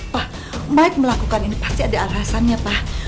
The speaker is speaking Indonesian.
pak mike melakukan ini pasti ada alasannya pak